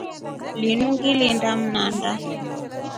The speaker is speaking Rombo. Linu ngilinda Mndana.